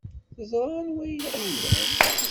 Teẓra anwa ay aɣ-ilan.